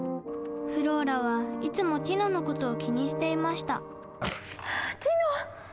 フローラはいつもティノのことを気にしていましたティノ！